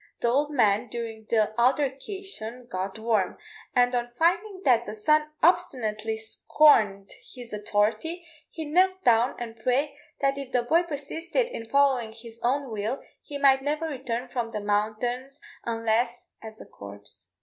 The old man during the altercation got warm; and on finding that the son obstinately scorned his authority, he knelt down and prayed that if the boy persisted in following his own will, he might never return from the mountains unless as a corpse.